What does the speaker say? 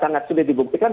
sangat sulit dibuktikan